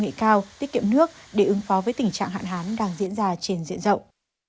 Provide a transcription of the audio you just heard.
nghệ cao tiết kiệm nước để ứng phó với tình trạng hạn hán đang diễn ra trên diện rộng